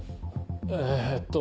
えっと。